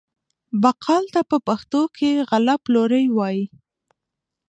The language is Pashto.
بقال ته په پښتو کې غله پلوری وايي.